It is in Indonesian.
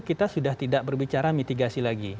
kita sudah tidak berbicara mitigasi lagi